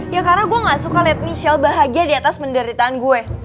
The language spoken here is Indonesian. ya karena gue gak suka lihat michelle bahagia di atas penderitaan gue